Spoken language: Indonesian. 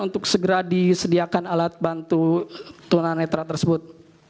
untuk segera disediakan alat bantu tunanetra tersebut